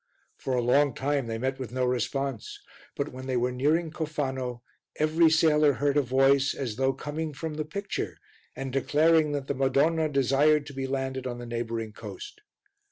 For a long time they met with no response, but when they were nearing Cofano, every sailor heard a voice, as though coming from the picture and declaring that the Madonna desired to be landed on the neighbouring coast.